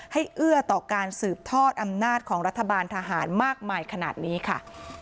เอื้อต่อการสืบทอดอำนาจของรัฐบาลทหารมากมายขนาดนี้ค่ะ